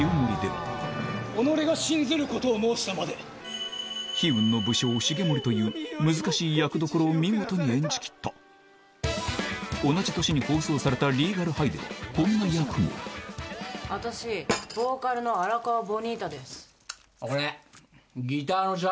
おのれが信ずることを申したまで。という難しい役どころを見事に演じきった同じ年に放送された『リーガル・ハイ』ではこんな役も私ボーカルの荒川ボニータです。